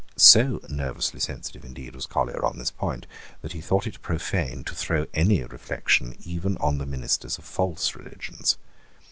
So nervously sensitive indeed was Collier on this point that he thought it profane to throw any reflection even on the ministers of false religions.